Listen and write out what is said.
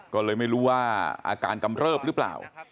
ก็เลยไม่รู้ว่าอาการกำเริบหรือเปล่า